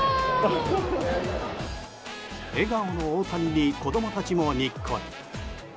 笑顔の大谷に子供たちもにっこり。